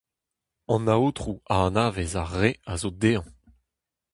An Aotrou a anavez ar re a zo dezhañ.